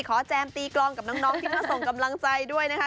แจมตีกลองกับน้องที่มาส่งกำลังใจด้วยนะคะ